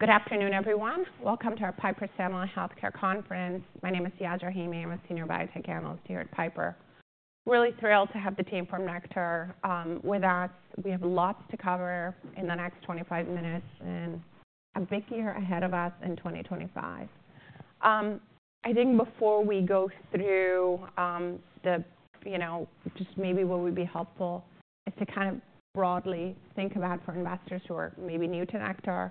Good afternoon, everyone Welcome to our Piper Sandler Healthcare Conference. My name is Yasmeen Rahimi. I'm a senior biotech analyst here at Piper. Really thrilled to have the team from Nektar with us. We have lots to cover in the next 25 minutes and a big year ahead of us in 2025. I think before we go through the, you know, just maybe what would be helpful is to kind of broadly think about, for investors who are maybe new to Nektar,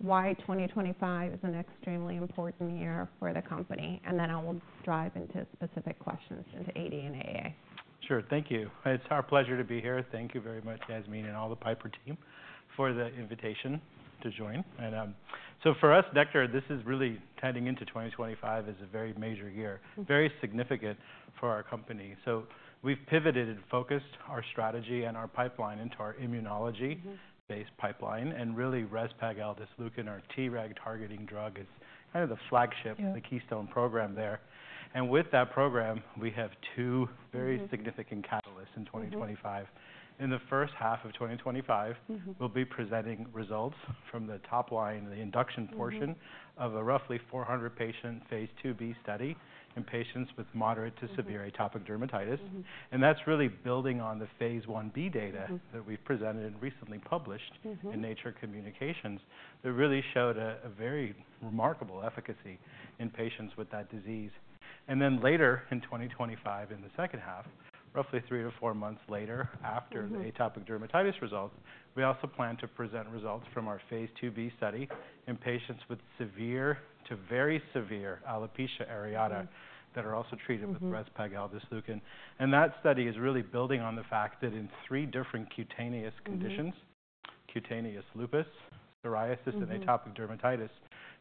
why 2025 is an extremely important year for the company. And then I will dive into specific questions into AD and AA. Sure. Thank you. It's our pleasure to be here. Thank you very much, Yasmeen, and all the Piper team for the invitation to join. And so for us, Nektar, heading into 2025 is a very major year, very significant for our company. So we've pivoted and focused our strategy and our pipeline into our immunology-based pipeline. And really, Rezpag, our Treg targeting drug is kind of the flagship, the keystone program there. And with that program, we have two very significant catalysts in 2025. In the first half of 2025, we'll be presenting results from the top line, the induction portion of a roughly 400-patient phase 2b study in patients with moderate to severe atopic dermatitis. That's really building on the phase 1b data that we've presented and recently published in Nature Communications that really showed a very remarkable efficacy in patients with that disease. And then later in 2025, in the second half, roughly three to four months later after the atopic dermatitis results, we also plan to present results from our phase 2b study in patients with severe to very severe alopecia areata that are also treated with Rezpegaldesleukin. And that study is really building on the fact that in three different cutaneous conditions, cutaneous lupus, psoriasis, and atopic dermatitis,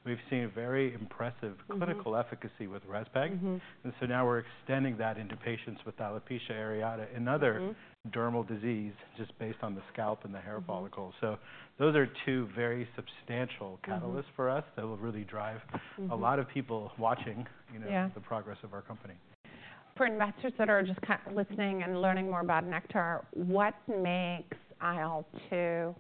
we've seen very impressive clinical efficacy with Rezpag. And so now we're extending that into patients with alopecia areata and other dermal disease just based on the scalp and the hair follicles. So those are two very substantial catalysts for us that will really drive a lot of people watching, you know, the progress of our company. For investors that are just kind of listening and learning more about Nektar, what makes IL-2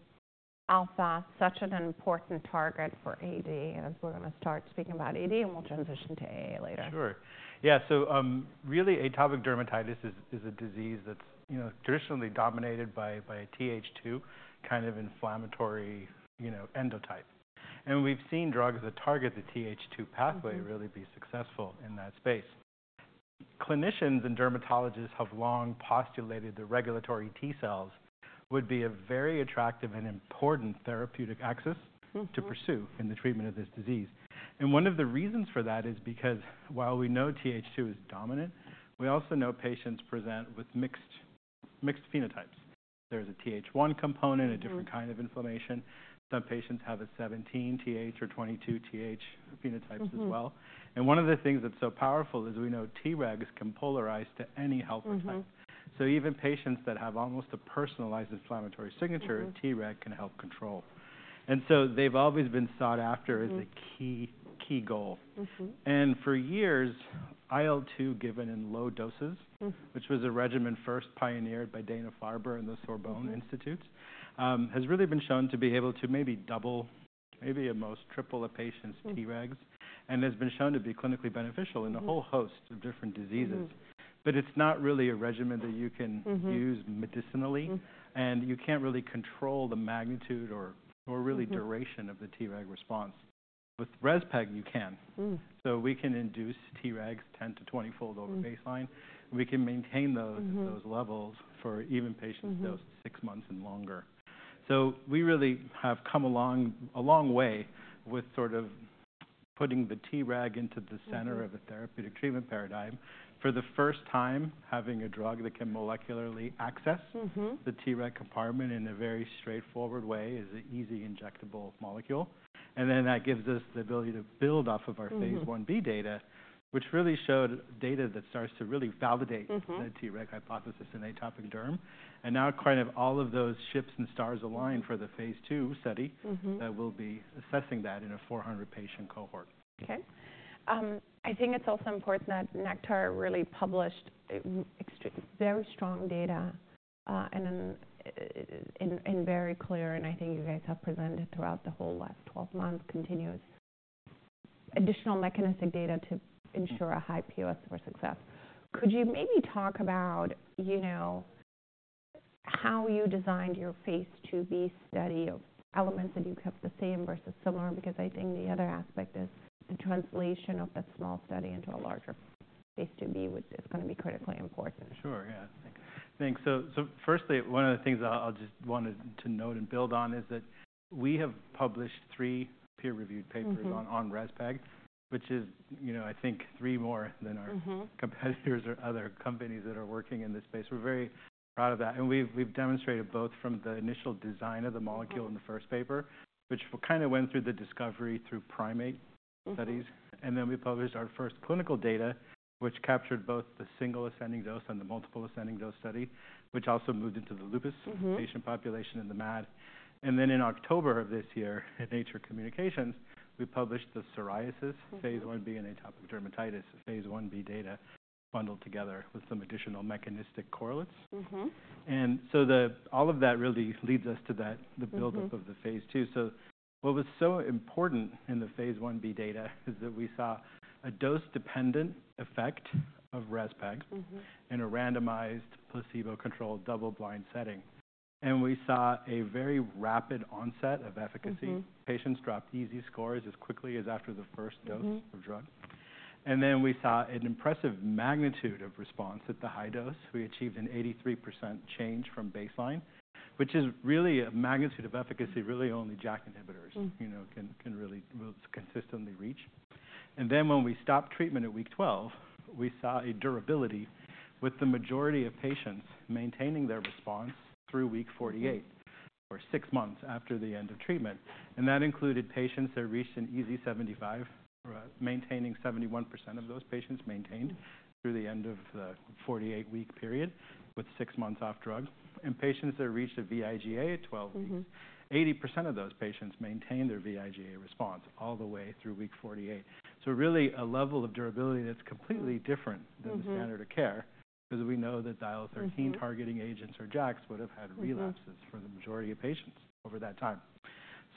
alpha such an important target for AD as we're going to start speaking about AD and we'll transition to AA later? Sure. Yeah. So really, atopic dermatitis is a disease that's, you know, traditionally dominated by a Th2 kind of inflammatory, you know, endotype. And we've seen drugs that target the Th2 pathway really be successful in that space. Clinicians and dermatologists have long postulated the regulatory T cells would be a very attractive and important therapeutic axis to pursue in the treatment of this disease. And one of the reasons for that is because while we know Th2 is dominant, we also know patients present with mixed phenotypes. There is a Th1 component, a different kind of inflammation. Some patients have a Th17 or Th22 phenotypes as well. And one of the things that's so powerful is we know Tregs can polarize to any T helper effect. So even patients that have almost a personalized inflammatory signature, Treg can help control. And so they've always been sought after as a key, key goal. And for years, IL-2 given in low doses, which was a regimen first pioneered by Dana-Farber and the Sorbonne University, has really been shown to be able to maybe double, maybe at most triple a patient's Tregs and has been shown to be clinically beneficial in a whole host of different diseases. But it's not really a regimen that you can use medicinally, and you can't really control the magnitude or really duration of the Treg response. With Rezpag, you can. So we can induce Tregs 10- to 20-fold over baseline. We can maintain those levels for even patients dosed six months and longer. So we really have come a long way with sort of putting the Treg into the center of a therapeutic treatment paradigm. For the first time, having a drug that can molecularly access the Treg compartment in a very straightforward way is an easy injectable molecule. And then that gives us the ability to build off of our phase 1b data, which really showed data that starts to really validate the Treg hypothesis in atopic derm. And now kind of all of those ships and stars align for the phase 2 study that we'll be assessing that in a 400-patient cohort. Okay. I think it's also important that Nektar really published very strong data and very clear, and I think you guys have presented throughout the whole last 12 months, continuous additional mechanistic data to ensure a high POS for success. Could you maybe talk about, you know, how you designed your phase 2b study, the elements that you kept the same versus similar? Because I think the other aspect is the translation of that small study into a larger phase 2b is going to be critically important. Sure. Yeah. Thanks. So firstly, one of the things I'll just want to note and build on is that we have published three peer-reviewed papers on Rezpegaldesleukin, which is, you know, I think three more than our competitors or other companies that are working in this space. We're very proud of that. And we've demonstrated both from the initial design of the molecule in the first paper, which kind of went through the discovery through primate studies. And then we published our first clinical data, which captured both the single ascending dose and the multiple ascending dose study, which also moved into the lupus patient population in the MAD. And then in October of this year at Nature Communications, we published the psoriasis phase 1b and atopic dermatitis phase 1b data bundled together with some additional mechanistic correlates. And so all of that really leads us to the buildup of the phase 2. So what was so important in the phase 1b data is that we saw a dose-dependent effect of Rezpag in a randomized placebo-controlled double-blind setting. And we saw a very rapid onset of efficacy. Patients dropped EASI scores as quickly as after the first dose of drug. And then we saw an impressive magnitude of response at the high dose. We achieved an 83% change from baseline, which is really a magnitude of efficacy really only JAK inhibitors, you know, can really consistently reach. And then when we stopped treatment at week 12, we saw a durability with the majority of patients maintaining their response through week 48 or six months after the end of treatment. That included patients that reached an EASI 75, maintaining 71% of those patients maintained through the end of the 48-week period with six months off drug. Patients that reached a vIGA at 12 weeks, 80% of those patients maintained their vIGA response all the way through week 48. Really a level of durability that's completely different than the standard of care because we know that the IL-13 targeting agents or JAKs would have had relapses for the majority of patients over that time.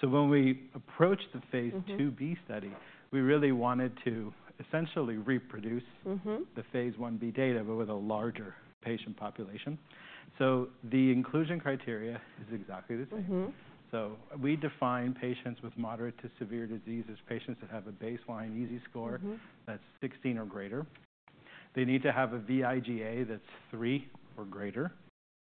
When we approached the phase 2b study, we really wanted to essentially reproduce the phase 1b data, but with a larger patient population. The inclusion criteria is exactly the same. We define patients with moderate to severe disease as patients that have a baseline EASI score that's 16 or greater. They need to have a vIGA that's three or greater.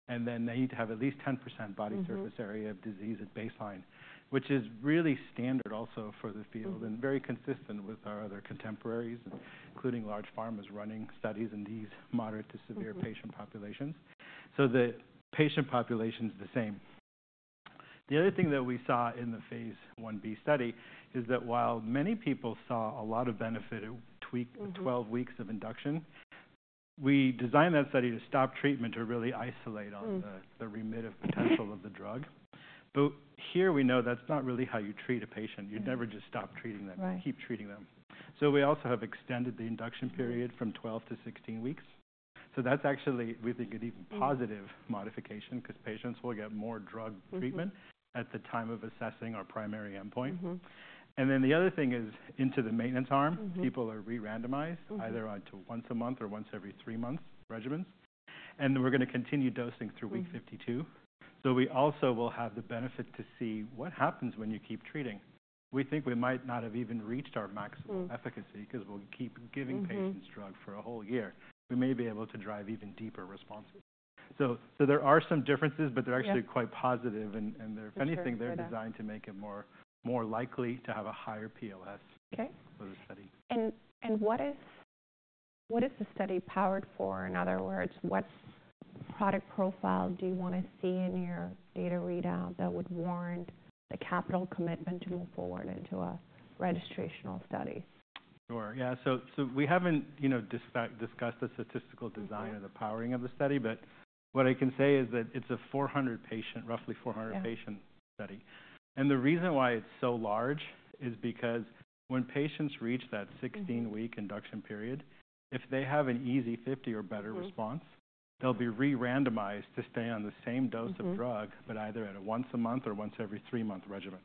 They need to have at least 10% body surface area of disease at baseline, which is really standard also for the field and very consistent with our other contemporaries, including large pharmas running studies in these moderate to severe patient populations. So the patient population is the same. The other thing that we saw in the phase 1b study is that while many people saw a lot of benefit at week 12 of induction, we designed that study to stop treatment to really isolate on the remittive potential of the drug. But here we know that's not really how you treat a patient. You'd never just stop treating them. You keep treating them. So we also have extended the induction period from 12 to 16 weeks. So that's actually we think an even positive modification because patients will get more drug treatment at the time of assessing our primary endpoint. And then the other thing is into the maintenance arm, people are re-randomized either once a month or once every three months regimens. And we're going to continue dosing through week 52. So we also will have the benefit to see what happens when you keep treating. We think we might not have even reached our maximum efficacy because we'll keep giving patients drug for a whole year. We may be able to drive even deeper response. So there are some differences, but they're actually quite positive. And if anything, they're designed to make it more likely to have a higher POS for the study. What is the study powered for? In other words, what product profile do you want to see in your data readout that would warrant the capital commitment to move forward into a registrational study? Sure. Yeah. So we haven't, you know, discussed the statistical design or the powering of the study, but what I can say is that it's a 400-patient, roughly 400-patient study. And the reason why it's so large is because when patients reach that 16-week induction period, if they have an EASI 50 or better response, they'll be re-randomized to stay on the same dose of drug, but either at a once a month or once every three-month regimen.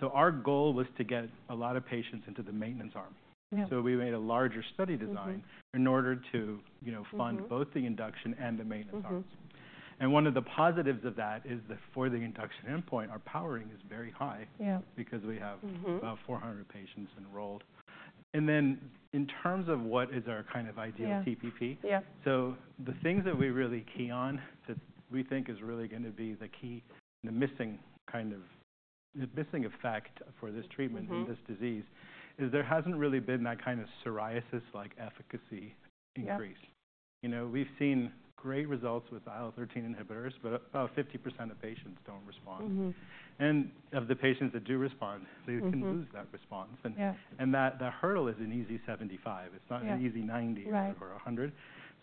So our goal was to get a lot of patients into the maintenance arm. So we made a larger study design in order to, you know, fund both the induction and the maintenance arms. And one of the positives of that is that for the induction endpoint, our powering is very high because we have about 400 patients enrolled. And then, in terms of what is our kind of ideal TPP, so the things that we really key on that we think is really going to be the key, the missing kind of missing effect for this treatment in this disease is there hasn't really been that kind of psoriasis-like efficacy increase. You know, we've seen great results with IL-13 inhibitors, but about 50% of patients don't respond. And of the patients that do respond, they can lose that response. And the hurdle is an EASI 75. It's not an EASI 90 or 100.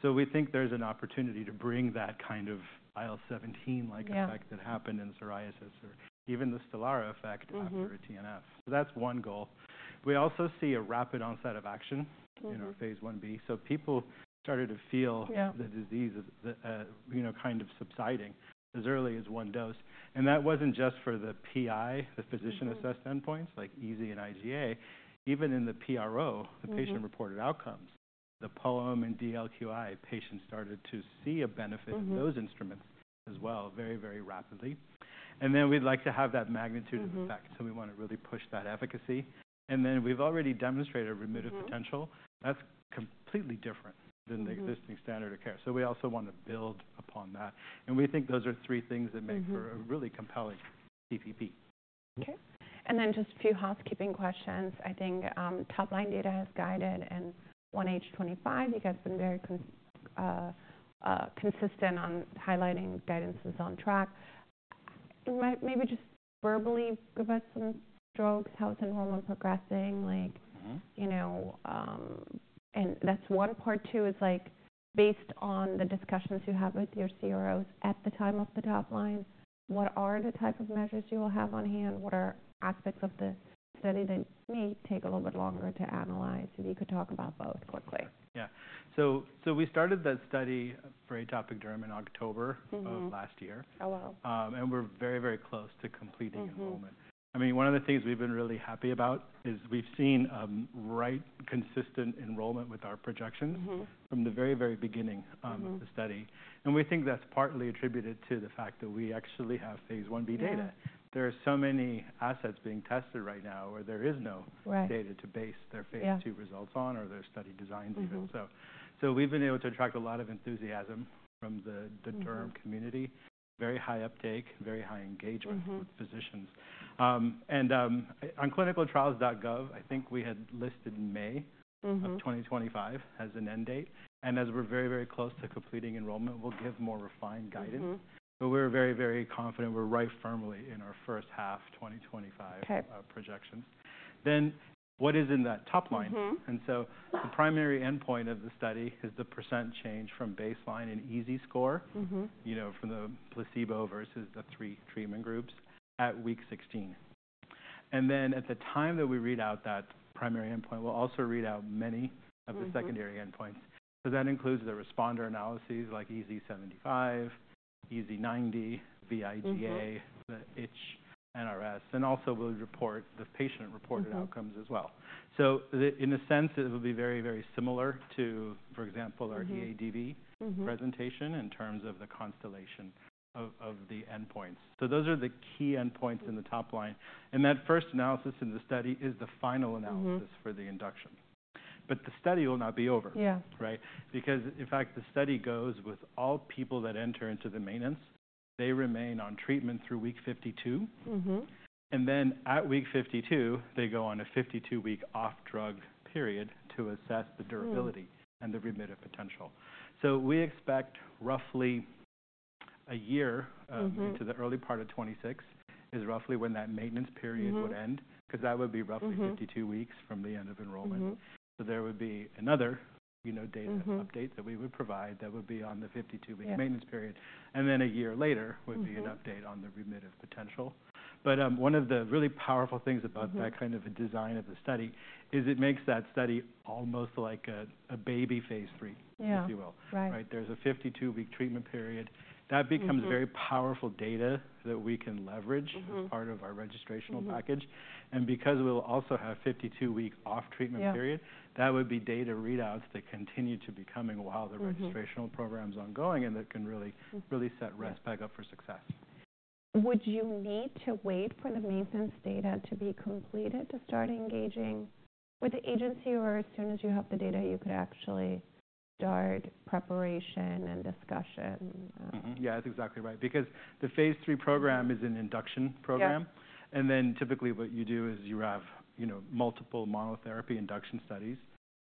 So we think there's an opportunity to bring that kind of IL-17-like effect that happened in psoriasis or even the Stelara effect after a TNF. So that's one goal. We also see a rapid onset of action in our phase 1b. So people started to feel the disease, you know, kind of subsiding as early as one dose. And that wasn't just for the PI, the physician-assessed endpoints like EASI and IGA. Even in the PRO, the patient reported outcomes, the POEM and DLQI patients started to see a benefit in those instruments as well very, very rapidly. And then we'd like to have that magnitude of effect. So we want to really push that efficacy. And then we've already demonstrated remittive potential. That's completely different than the existing standard of care. So we also want to build upon that. And we think those are three things that make for a really compelling TPP. Okay. And then just a few housekeeping questions. I think top-line data has guided and 1H25, you guys have been very consistent on highlighting guidances on track. Maybe just verbally give us some strokes, how's enrollment progressing, like, you know, and that's one part too is like based on the discussions you have with your CROs at the time of the top-line, what are the type of measures you will have on hand? What are aspects of the study that may take a little bit longer to analyze? If you could talk about both quickly. Yeah. So we started that study for atopic derm in October of last year. Oh, wow. We're very, very close to completing enrollment. I mean, one of the things we've been really happy about is we've seen right consistent enrollment with our projections from the very, very beginning of the study. We think that's partly attributed to the fact that we actually have phase 1b data. There are so many assets being tested right now where there is no data to base their phase 2 results on or their study designs even. We've been able to attract a lot of enthusiasm from the derm community, very high uptake, very high engagement with physicians. On ClinicalTrials.gov, I think we had listed May of 2025 as an end date. As we're very, very close to completing enrollment, we'll give more refined guidance. We're very, very confident we're right firmly in our first half 2025 projections. What is in that top line? And so the primary endpoint of the study is the percent change from baseline in EASI score, you know, from the placebo versus the three treatment groups at week 16. And then at the time that we read out that primary endpoint, we'll also read out many of the secondary endpoints because that includes the responder analyses like EASI 75, EASI 90, vIGA, the Itch NRS. And also we'll report the patient-reported outcomes as well. So in a sense, it will be very, very similar to, for example, our EADV presentation in terms of the constellation of the endpoints. So those are the key endpoints in the top-line. And that first analysis in the study is the final analysis for the induction. But the study will not be over, right? Because in fact, the study goes with all people that enter into the maintenance. They remain on treatment through week 52. And then at week 52, they go on a 52-week off-drug period to assess the durability and the remittive potential. So we expect roughly a year into the early part of 2026 is roughly when that maintenance period would end because that would be roughly 52 weeks from the end of enrollment. So there would be another, you know, data update that we would provide that would be on the 52-week maintenance period. And then a year later would be an update on the remittive potential. But one of the really powerful things about that kind of a design of the study is it makes that study almost like a baby phase 3, if you will, right? There's a 52-week treatment period. That becomes very powerful data that we can leverage as part of our registrational package. And because we'll also have a 52-week off-treatment period, that would be data readouts that continue to be coming while the registrational program's ongoing and that can really, really set Rezpag up for success. Would you need to wait for the maintenance data to be completed to start engaging with the agency or as soon as you have the data, you could actually start preparation and discussion? Yeah, that's exactly right. Because the phase 3 program is an induction program. And then typically what you do is you have, you know, multiple monotherapy induction studies.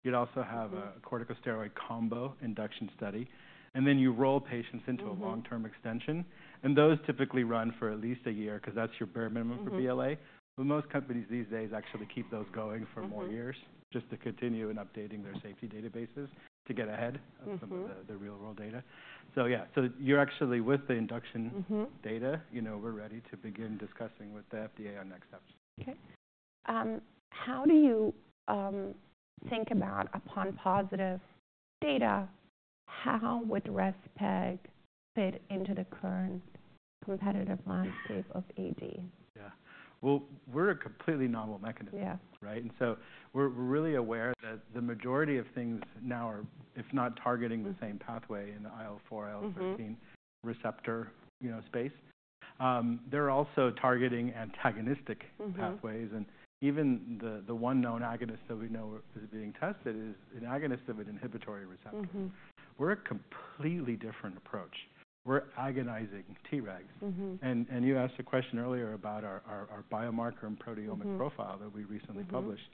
You'd also have a corticosteroid combo induction study. And then you roll patients into a long-term extension. And those typically run for at least a year because that's your bare minimum for BLA. But most companies these days actually keep those going for more years just to continue and updating their safety databases to get ahead of some of the real-world data. So yeah, so you're actually with the induction data, you know, we're ready to begin discussing with the FDA on next steps. Okay. How do you think about upon positive data, how would Rezpag fit into the current competitive landscape of AD? Yeah. Well, we're a completely novel mechanism, right? And so we're really aware that the majority of things now are, if not targeting the same pathway in the IL4, IL13 receptor, you know, space. They're also targeting antagonistic pathways. And even the one known agonist that we know is being tested is an agonist of an inhibitory receptor. We're a completely different approach. We're agonizing Tregs. And you asked a question earlier about our biomarker and proteomic profile that we recently published.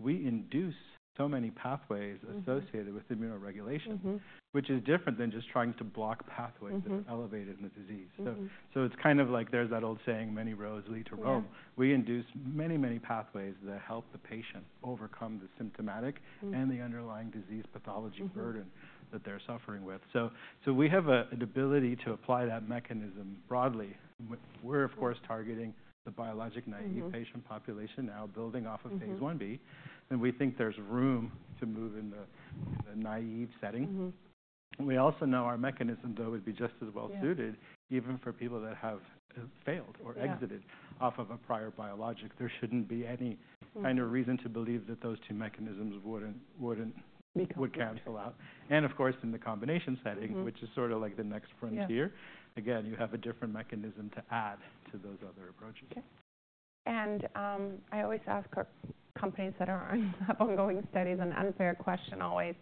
We induce so many pathways associated with immunoregulation, which is different than just trying to block pathways that are elevated in the disease. So it's kind of like there's that old saying, many roads lead to Rome. We induce many, many pathways that help the patient overcome the symptomatic and the underlying disease pathology burden that they're suffering with. We have an ability to apply that mechanism broadly. We're, of course, targeting the biologic naive patient population now building off of phase 1b. We think there's room to move in the naive setting. We also know our mechanism, though, would be just as well suited even for people that have failed or exited off of a prior biologic. There shouldn't be any kind of reason to believe that those two mechanisms wouldn't cancel out. Of course, in the combination setting, which is sort of like the next frontier, again, you have a different mechanism to add to those other approaches. Okay, and I always ask companies that have ongoing studies an unfair question always,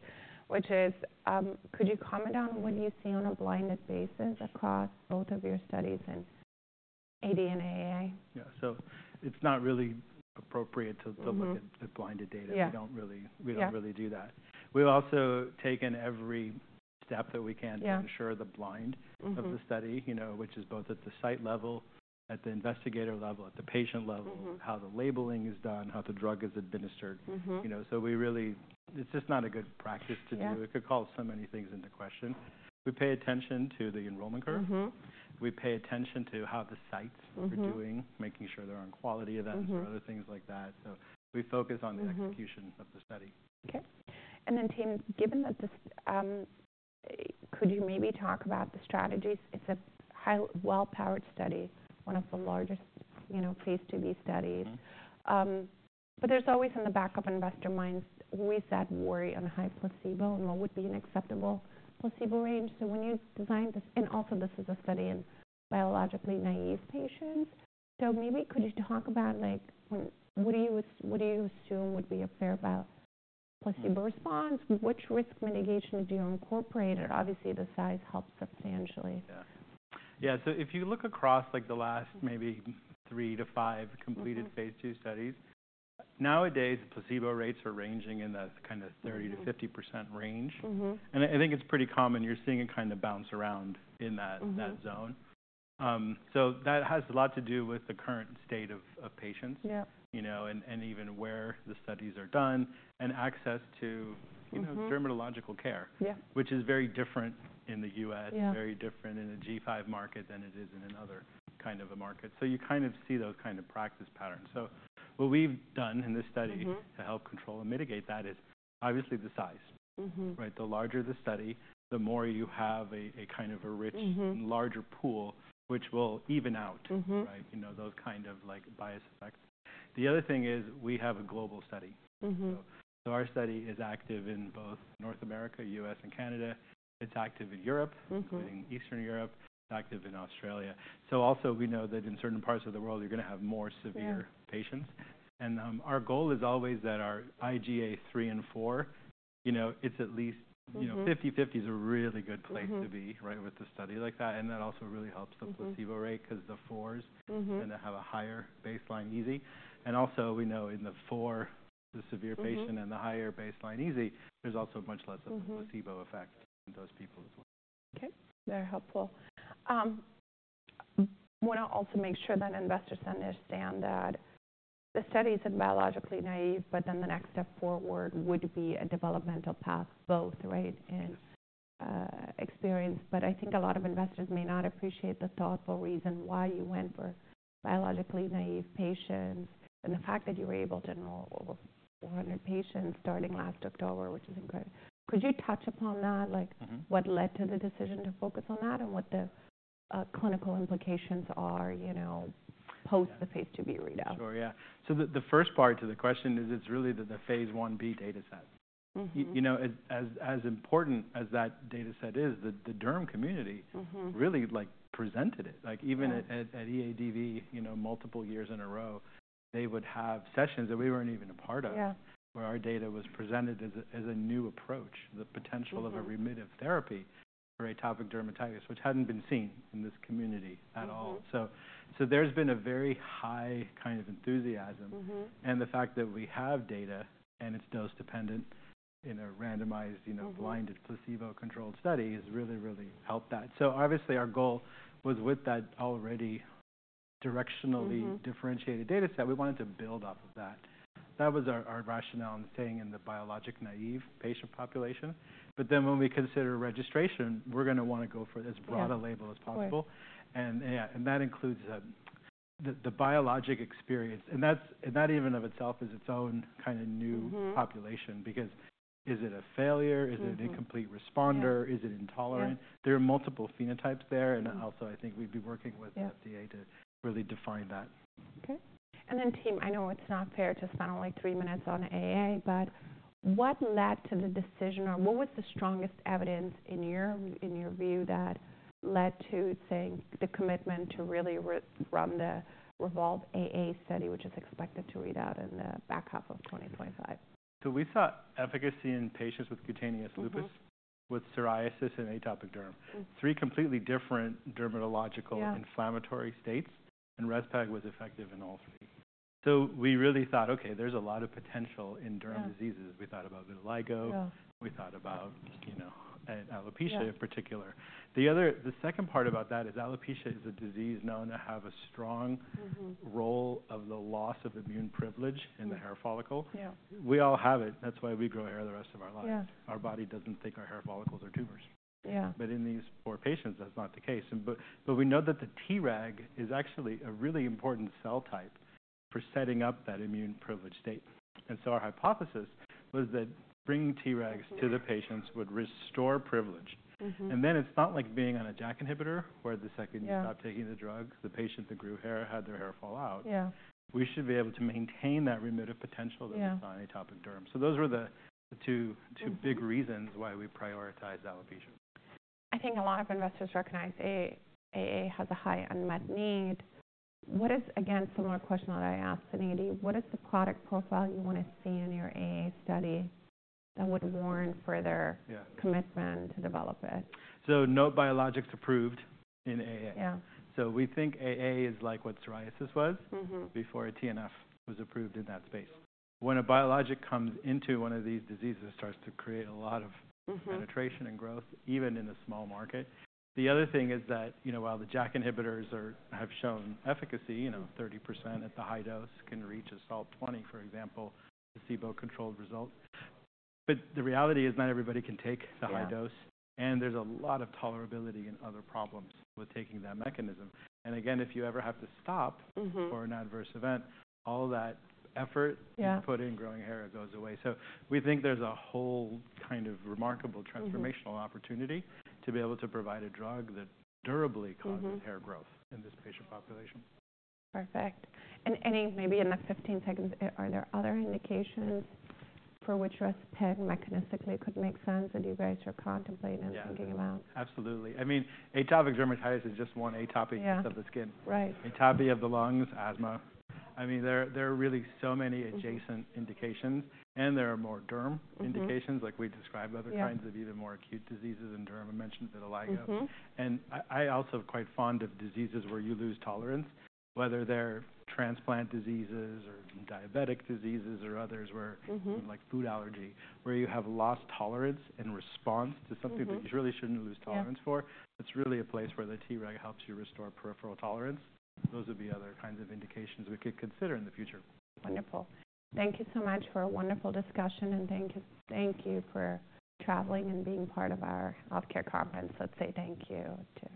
which is, could you comment on what you see on a blinded basis across both of your studies in AD and AA? Yeah. So it's not really appropriate to look at blinded data. We don't really do that. We've also taken every step that we can to ensure the blind of the study, you know, which is both at the site level, at the investigator level, at the patient level, how the labeling is done, how the drug is administered. You know, so we really, it's just not a good practice to do. It could call so many things into question. We pay attention to the enrollment curve. We pay attention to how the sites are doing, making sure they're on quality events or other things like that. So we focus on the execution of the study. Okay. And then Jon, given that this, could you maybe talk about the strategies? It's a highly well-powered study, one of the largest, you know, phase 2b studies. But there's always in the back of investor minds, we said worry on high placebo and what would be an acceptable placebo range. So when you designed this, and also this is a study in biologically naive patients, so maybe could you talk about like what do you assume would be a fair placebo response? Which risk mitigation did you incorporate? Obviously, the size helps substantially. Yeah. Yeah. So if you look across like the last maybe three to five completed phase 2 studies, nowadays placebo rates are ranging in that kind of 30%-50% range. And I think it's pretty common. You're seeing it kind of bounce around in that zone. So that has a lot to do with the current state of patients, you know, and even where the studies are done and access to, you know, dermatological care, which is very different in the U.S., very different in a G5 market than it is in another kind of a market. So you kind of see those kind of practice patterns. So what we've done in this study to help control and mitigate that is obviously the size, right? The larger the study, the more you have a kind of a rich and larger pool, which will even out, right? You know, those kind of like bias effects. The other thing is we have a global study. So our study is active in both North America, U.S., and Canada. It's active in Europe, including Eastern Europe. It's active in Australia. So also we know that in certain parts of the world, you're going to have more severe patients. And our goal is always that our IGA 3 and 4, you know, it's at least, you know, 50-50 is a really good place to be, right, with a study like that. And that also really helps the placebo rate because the 4s tend to have a higher baseline EASI. And also we know in the 4, the severe patient and the higher baseline EASI, there's also much less of a placebo effect in those people as well. Okay. Very helpful. I want to also make sure that investors understand that the study isn't biologically naive, but then the next step forward would be a developmental path both, right, and experience. But I think a lot of investors may not appreciate the thoughtful reason why you went for biologically naive patients and the fact that you were able to enroll over 400 patients starting last October, which is incredible. Could you touch upon that, like what led to the decision to focus on that and what the clinical implications are, you know, post the phase 2b readout? Sure. Yeah. So the first part to the question is it's really the phase 1b dataset. You know, as important as that dataset is, the derm community really like presented it. Like even at EADV, you know, multiple years in a row, they would have sessions that we weren't even a part of where our data was presented as a new approach, the potential of a remittive therapy for atopic dermatitis, which hadn't been seen in this community at all. So there's been a very high kind of enthusiasm and the fact that we have data and it's dose-dependent in a randomized, you know, blinded placebo-controlled study has really, really helped that. So obviously our goal was with that already directionally differentiated dataset, we wanted to build off of that. That was our rationale in staying in the biologic naive patient population. But then when we consider registration, we're going to want to go for as broad a label as possible. And yeah, and that includes the biologic experience. And that even of itself is its own kind of new population because is it a failure? Is it an incomplete responder? Is it intolerant? There are multiple phenotypes there. And also I think we'd be working with the FDA to really define that. Okay. And then Tim, I know it's not fair to spend like three minutes on AA, but what led to the decision or what was the strongest evidence in your view that led to saying the commitment to really run the REZOLVE-AA study, which is expected to read out in the back half of 2025? So we saw efficacy in patients with Cutaneous Lupus, with Psoriasis and atopic derm, three completely different dermatological inflammatory states, and Rezpag was effective in all three. So we really thought, okay, there's a lot of potential in derm diseases. We thought about Vitiligo. We thought about, you know, alopecia in particular. The second part about that is alopecia is a disease known to have a strong role of the loss of immune privilege in the hair follicle. We all have it. That's why we grow hair the rest of our lives. Our body doesn't think our hair follicles are tumors. Yeah, but in these poor patients, that's not the case. But we know that the Treg is actually a really important cell type for setting up that immune privilege state. And so our hypothesis was that bringing Tregs to the patients would restore privilege. And then it's not like being on a JAK inhibitor where the second you stop taking the drug, the patient that grew hair had their hair fall out. Yeah, we should be able to maintain that remittive potential that's on atopic derm. So those were the two big reasons why we prioritized alopecia. I think a lot of investors recognize AA has a high unmet need. What is, again, similar question that I asked Sanofi, what is the product profile you want to see in your AA study that would warrant further commitment to develop it? So no biologics approved in AA. So we think AA is like what psoriasis was before a TNF was approved in that space. When a biologic comes into one of these diseases, it starts to create a lot of penetration and growth, even in a small market. The other thing is that, you know, while the JAK inhibitors have shown efficacy, you know, 30% at the high dose can reach a SALT 20, for example, placebo-controlled result. But the reality is not everybody can take the high dose. And there's a lot of tolerability and other problems with taking that mechanism. And again, if you ever have to stop for an adverse event, all that effort you put in growing hair goes away. So we think there's a whole kind of remarkable transformational opportunity to be able to provide a drug that durably causes hair growth in this patient population. Perfect. And any maybe in the 15 seconds, are there other indications for which Rezpag mechanistically could make sense that you guys are contemplating and thinking about? Yeah, absolutely. I mean, atopic dermatitis is just one atopic piece of the skin. Atopy of the lungs, asthma. I mean, there are really so many adjacent indications. And there are more derm indications, like we described other kinds of even more acute diseases and derm mentioned vitiligo. And I also am quite fond of diseases where you lose tolerance, whether they're transplant diseases or diabetic diseases or others where like food allergy, where you have lost tolerance and response to something that you really shouldn't lose tolerance for. It's really a place where the Treg helps you restore peripheral tolerance. Those would be other kinds of indications we could consider in the future. Wonderful. Thank you so much for a wonderful discussion. And thank you for traveling and being part of our healthcare conference. Let's say thank you to.